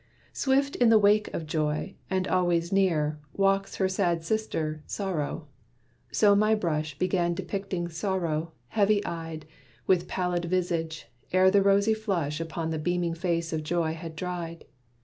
Swift in the wake of Joy, and always near, Walks her sad sister Sorrow. So my brush Began depicting sorrow, heavy eyed, With pallid visage, ere the rosy flush Upon the beaming face of Joy had dried.